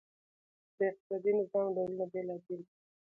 د اقتصادي نظام ډولونه بېلابیل دي.